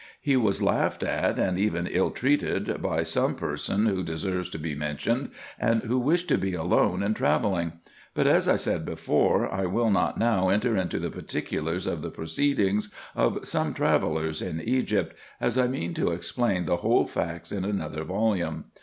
He was laughed at, and even ill treated, by some person who deserves to be mentioned, and who wished to be alone in travelling ; but, as I said before, I will not now enter into the particulars of the proceedings of some travellers in Egypt, as I mean to explain the whole facts in another volume.